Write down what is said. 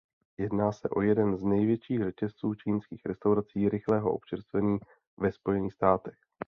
Jedná se o jeden z největších řetězců čínských restaurací rychlého občerstvení ve Spojených státech.